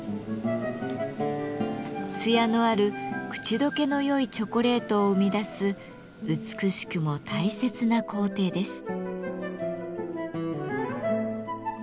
艶のある口溶けのよいチョコレートを生み出す美しくも大切な工程です。